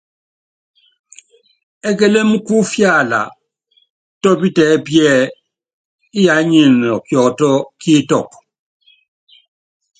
Ékélém kú ifiala tɔ́pítɛ ɛ́pí ɛ́ɛ : Iyá nyɛ nɔ kiɔtɔ́ kí itɔ́k.